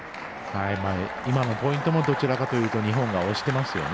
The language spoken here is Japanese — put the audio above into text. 今のポイントもどちらかというと日本が押してますよね。